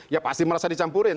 ya pasti merasa dicampurin